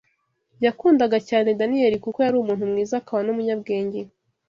Yakundaga cyane Daniyeli kuko yari umuntu mwiza akaba n’umunyabwenge